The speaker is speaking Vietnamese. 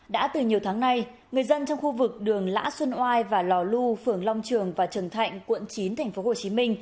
đã từ nhiều tháng nay người dân trong khu vực đường lã xuân oai và lò lu phường long trường và trần thạnh quận chín tp hcm